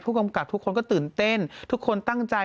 กำกับทุกคนก็ตื่นเต้นทุกคนตั้งใจ